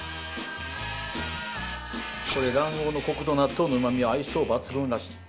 これ卵黄のコクと納豆のうまみは相性抜群らしい。